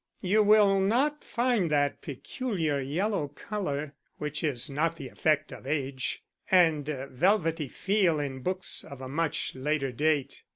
You will not find that peculiar yellow colour which is not the effect of age and velvety 'feel' in books of a much later date.